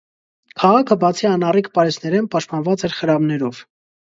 Քաղաքը բացի անառիկ պարիսպներէն պաշտպանուած էր խրամներով։